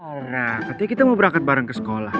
ara katanya kita mau berangkat bareng ke sekolah